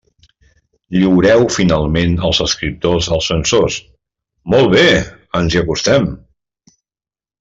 Lliureu finalment els escriptors als censors; molt bé!, ens hi acostem.